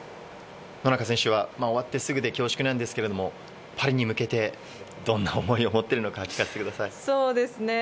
野中選手は終わってすぐで恐縮ですが、パリに向けて、どんな思いを持っているのか聞かせてください。